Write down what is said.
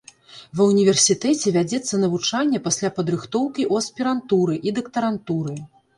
Ва ўніверсітэце вядзецца навучанне пасля падрыхтоўкі ў аспірантуры і дактарантуры.